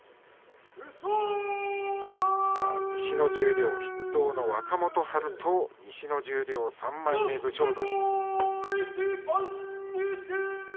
西の十両筆頭の若元春と西の十両３枚目の武将山。